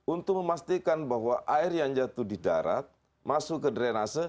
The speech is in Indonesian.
untuk memastikan bahwa air yang jatuh di darat masuk ke drenase